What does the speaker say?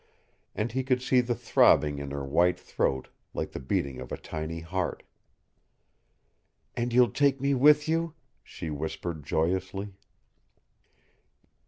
And he could see the throbbing in her white throat, like the beating of a tiny heart. "And you'll take me with you?" she whispered joyously.